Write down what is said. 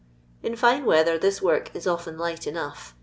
In fine weather this work is often light enough.